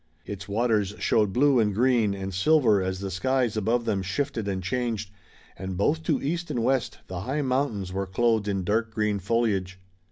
Its waters showed blue and green and silver as the skies above them shifted and changed, and both to east and west the high mountains were clothed in dark green foliage.